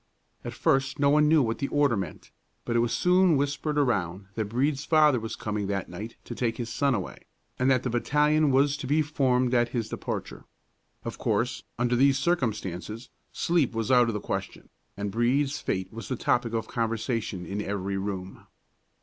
At first no one knew what the order meant; but it was soon whispered around that Brede's father was coming that night to take his son away, and that the battalion was to be formed at his departure. Of course, under these circumstances, sleep was out of the question, and Brede's fate was the topic of conversation in every room.